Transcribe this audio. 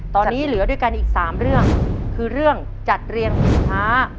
ตอนนี้เหลือด้วยกันอีก๓เรื่องคือเรื่องจัดเรียงสินค้า